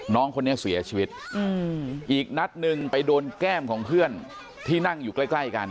น้องคนนี้เสียชีวิตอีกนัดหนึ่งไปโดนแก้มของเพื่อนที่นั่งอยู่ใกล้ใกล้กัน